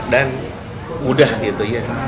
dan mudah gitu ya